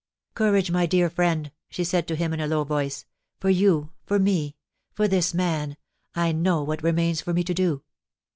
"Courage, my dear friend," she said to him, in a low voice, "for you, for me, for this man, I know what remains for me to do."